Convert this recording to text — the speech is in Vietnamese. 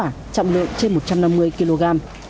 trọng lượng trên một trăm năm mươi kg